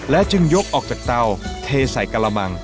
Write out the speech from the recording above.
จึงยกออกจากเตาเทใส่กระมัง